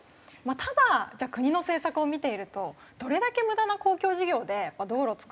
ただじゃあ国の政策を見ているとどれだけ無駄な公共事業で道路を造ってるんですか？